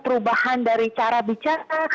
perubahan dari cara bicara